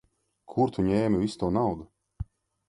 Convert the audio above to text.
Kur tu ņēmi visu to naudu?